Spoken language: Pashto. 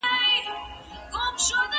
نو ځکه دا پوښتنه پر ځای ده: